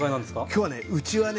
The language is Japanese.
今日はねうちはね